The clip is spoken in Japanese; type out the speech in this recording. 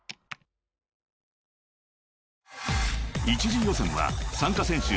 ［１次予選は参加選手